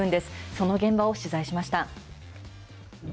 その現場を取材しました。